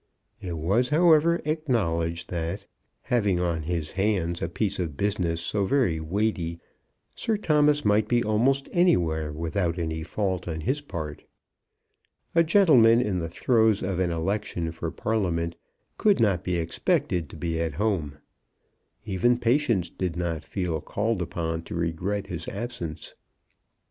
It was, however, acknowledged that, having on his hands a piece of business so very weighty, Sir Thomas might be almost anywhere without any fault on his part. A gentleman in the throes of an election for Parliament could not be expected to be at home. Even Patience did not feel called upon to regret his absence.